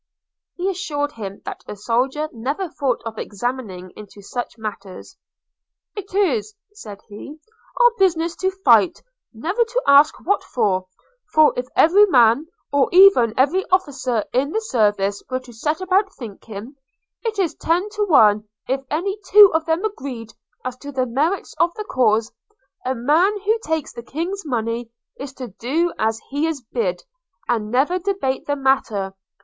– He assured him that a soldier never thought of examining into such matters – 'It is,' said he, 'our business to fight; never to ask for what – for if every man, or even every officer in the service were to set about thinking, it is ten to one if any two of them agreed as to the merits of the cause. A man who takes the King's money is to do as he is bid, and never debate the matter.